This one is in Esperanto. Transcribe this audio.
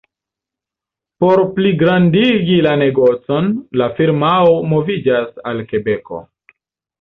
Por pligrandigi la negocon, la firmao moviĝas al Kebeko.